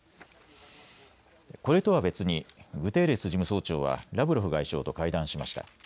これとは別にグテーレス事務総長はラブロフ外相と会談しました。